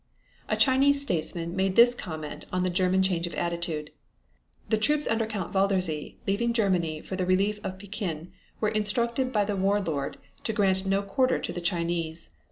A Chinese statesman made this comment on the German change of attitude: "The troops under Count Waldersee leaving Germany for the relief of Pekin were instructed by the War Lord to grant no quarter to the Chinese.